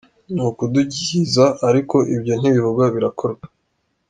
Ni ukudukiza, ariko ibyo ntibivugwa birakorwa.